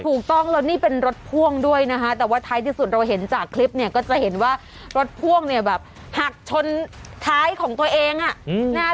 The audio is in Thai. ถูกต้องแล้วนี่เป็นรถพ่วงด้วยนะคะแต่ว่าท้ายที่สุดเราเห็นจากคลิปเนี่ยก็จะเห็นว่ารถพ่วงเนี่ยแบบหักชนท้ายของตัวเองอ่ะนะฮะ